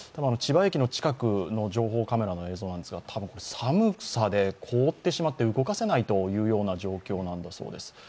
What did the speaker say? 千葉駅の近くの情報カメラの映像ですが多分寒さで凍ってしまって動かせないという状況なんだそうです。